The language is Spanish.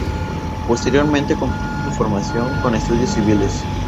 Posteriormente completó su formación con estudios civiles.